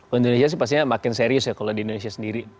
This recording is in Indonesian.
indonesia sih pastinya makin serius ya kalau di indonesia sendiri